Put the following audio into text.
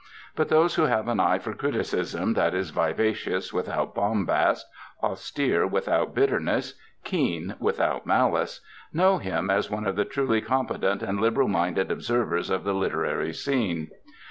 But those who have an eye for criticism that is vivacious without bombast, austere without bitterness, keen without malice, know him as one of the truly competent and liberal minded observers of the literary scene.